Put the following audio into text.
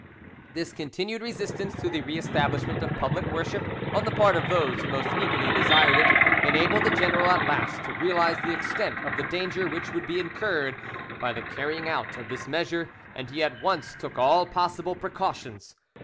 This continued resistance to the re establishment of public worship on the part of those who most eagerly desired it enabled the general at last to realise the extent of the danger which would be incurred by the carrying out of this measure, and he at once took all possible precautions.